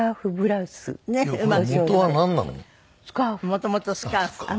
もともとスカーフ。